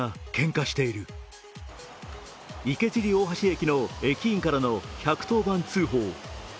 池尻大橋駅の駅員からの１１０番通報。